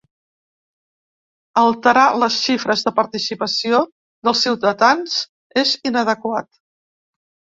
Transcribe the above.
Alterar les xifres de participació dels ciutadans és inadequat.